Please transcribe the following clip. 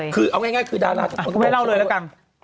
คือเอาง่ายคือดาราทุกคน